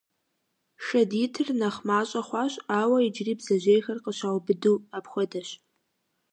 Шэд итыр нэхъ мащӀэ хъуащ, ауэ иджыри бдзэжьейхэр къыщаубыду апхуэдэщ.